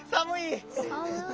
寒い！